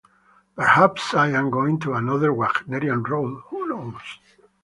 Perhaps I am going to another Wagnerian role - who knows?